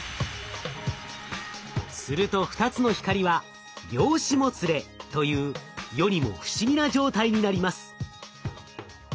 すると２つの光は「量子もつれ」という世にも不思議な状態になります。